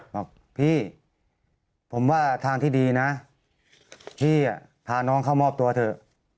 บอกพี่ผมว่าทางที่ดีนะพี่พาน้องเข้ามอบตัวเถอะ